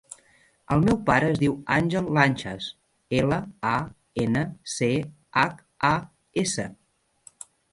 El meu pare es diu Àngel Lanchas: ela, a, ena, ce, hac, a, essa.